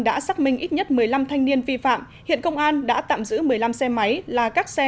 đã xác minh ít nhất một mươi năm thanh niên vi phạm hiện công an đã tạm giữ một mươi năm xe máy là các xe